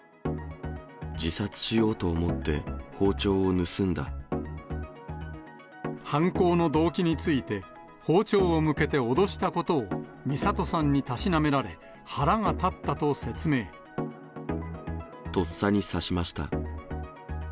自殺しようと思って、包丁を犯行の動機について、包丁を向けて脅したことを弥里さんにたしなめられ、腹が立ったととっさに刺しました。